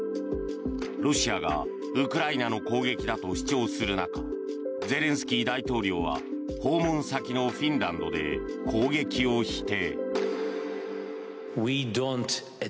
ロシアがウクライナの攻撃だと主張する中ゼレンスキー大統領は訪問先のフィンランドで攻撃を否定。